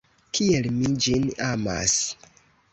Kiel mi ĝin amas!